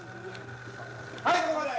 はい、ここまで。